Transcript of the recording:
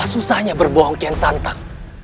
apa susahnya berbohong kian santang